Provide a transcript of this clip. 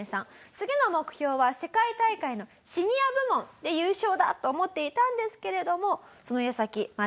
次の目標は世界大会のシニア部門で優勝だ！と思っていたんですけれども。